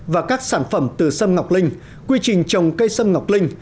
và các sản phẩm từ sâm ngọc linh quy trình trồng cây sâm ngọc linh